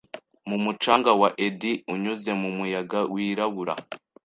Mu mucanga wa eddy unyuze mumuyaga wirabura